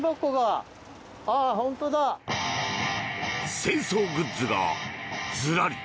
清掃グッズがずらり！